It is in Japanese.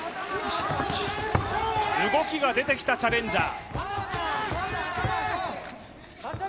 動きが出てきたチャレンジャー。